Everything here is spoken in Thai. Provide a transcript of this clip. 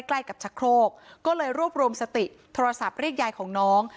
ใกล้กับชะโครกก็เลยรวบรวมสติโทรศัพท์เรียกยายของน้อง